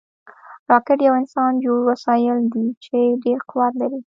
راکټ یو انسانجوړ وسایل دي چې ډېر قوت لري